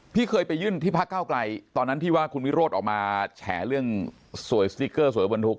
เคยไปยื่นที่พักเก้าไกลตอนนั้นที่ว่าคุณวิโรธออกมาแฉเรื่องสวยสติ๊กเกอร์สวยบรรทุก